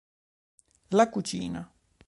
La cucina